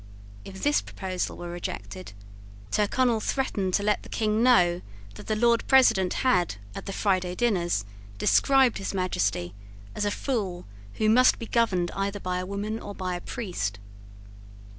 If this proposal were rejected, Tyrconnel threatened to let the King know that the Lord President had, at the Friday dinners, described His Majesty as a fool who must be governed either by a woman or by a priest.